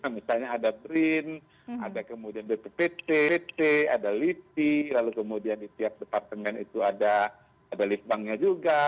misalnya ada brin ada kemudian bppt ada lipi lalu kemudian di tiap departemen itu ada lead banknya juga